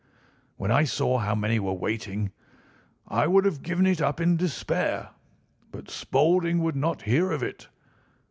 When I saw how many were waiting, I would have given it up in despair; but Spaulding would not hear of it.